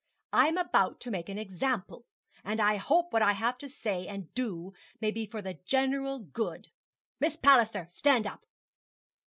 I am about to make an example; and I hope what I have to say and do may be for the general good. Miss Palliser, stand up.'